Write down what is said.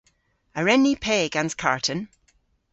A wren ni pe gans karten?